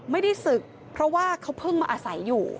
ไม่ได้ศึกเพราะว่าเขาเพิ่งมาอาศัยอยู่